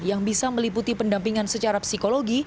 yang bisa meliputi pendampingan secara psikologi